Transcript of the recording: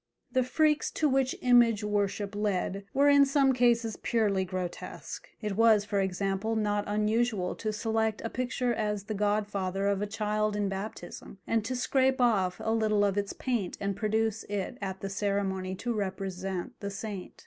The freaks to which image worship led were in some cases purely grotesque; it was, for example, not unusual to select a picture as the godfather of a child in baptism, and to scrape off a little of its paint and produce it at the ceremony to represent the saint.